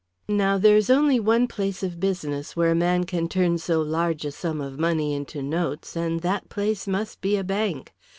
Now there is only one place of business where a man can turn so large a sum of money into notes, and that place must be a bank.